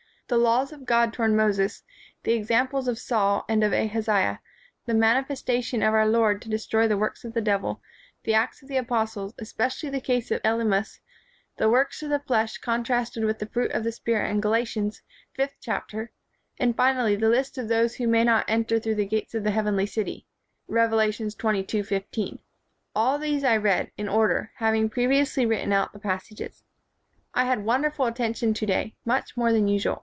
The laws of God to Moses, the examples of Saul and of Ahaziah, the manifestation of our Lord to destroy the works of the devil, the Acts of the Apostles — especially the case of Elymas — the works of the flesh contrasted with the fruit of the Spirit in Galatians, fifth chapter, and, finally, the list of those who may not enter through the gates of the heavenly city (Revelation xxii. 15). All these I read, in order, having previously written out the passages. '' I had wonderful attention to day — much more than usual.